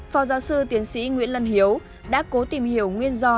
phó giáo sư tiến sĩ nguyễn lân hiếu đã cố tìm hiểu nguyên do